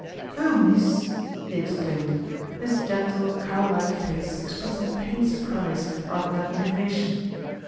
"Oh, mees!" he exclaimed, his gentle, cow like face expressing pained surprise, rather than indignation.